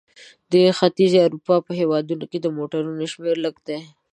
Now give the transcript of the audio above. د ختیځې اروپا په هېوادونو کې د موټرونو شمیر لږ دی.